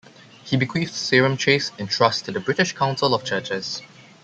He bequeathed Sarum Chase in trust to the British Council of Churches.